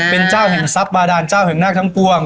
เป็นเจ้าแห่งทรัพย์บาดานเจ้าแห่งนาคทั้งปวง